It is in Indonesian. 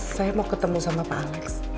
saya mau ketemu sama pak alex